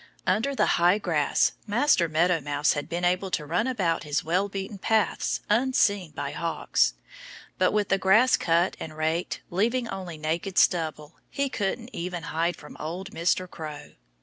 Under the high grass Master Meadow Mouse had been able to run about his well beaten paths unseen by hawks. But with the grass cut and raked, leaving only naked stubble, he couldn't hide even from old Mr. Crow.